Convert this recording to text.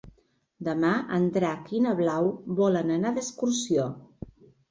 Demà en Drac i na Blau volen anar d'excursió.